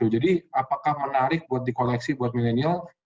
jadi apakah menarik buat di koleksi buat milenial